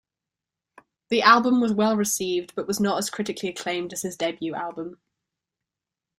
The album was well-received, but was not as critically acclaimed as his debut album.